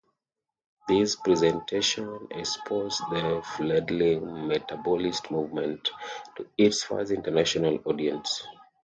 This presentation exposed the fledgling Metabolist movement to its first international audience.